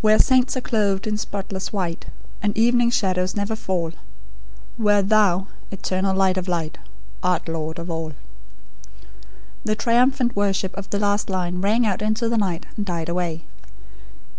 "Where saints are clothed in spotless white, And evening shadows never fall; where Thou, Eternal Light of Light, Art Lord of All." The triumphant worship of the last line rang out into the night, and died away.